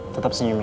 tetap senyum ya